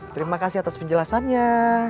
terima kasih atas penjelasannya